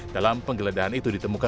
dalam penggeledahan itu ditemukan